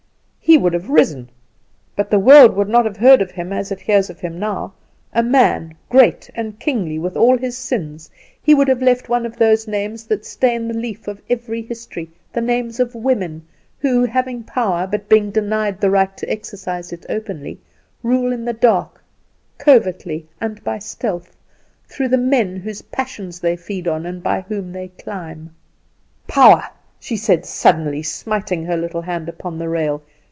He would have risen; but the world would not have heard of him as it hears of him now a man great and kingly with all his sins; he would have left one of those names that stain the leaf of every history the names of women, who, having power, but being denied the right to exercise it openly, rule in the dark, covertly, and by stealth, through the men whose passions they feed on and by whom they climb. "Power!" she said, suddenly, smiting her little hand upon the rail.